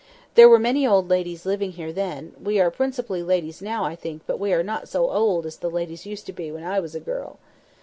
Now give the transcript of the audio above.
There were many old ladies living here then; we are principally ladies now, I know, but we are not so old as the ladies used to be when I was a girl.